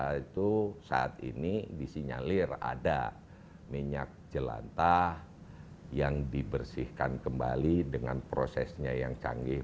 nah itu saat ini disinyalir ada minyak jelantah yang dibersihkan kembali dengan prosesnya yang canggih